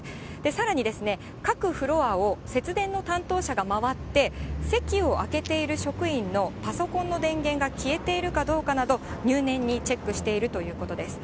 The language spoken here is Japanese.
さらに、各フロアを節電の担当者が回って、席を空けている職員のパソコンの電源が消えているかどうかなど、入念にチェックしているということです。